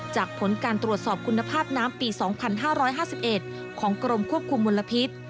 ผลการตรวจสอบคุณภาพน้ำปี๒๕๕๑ของกรมควบคุมมลพิษ